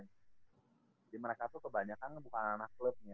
jadi mereka tuh kebanyakan bukan anak anak club nih